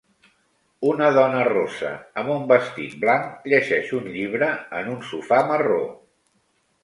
Una dona rossa amb un vestit blanc llegeix un llibre en un sofà marró.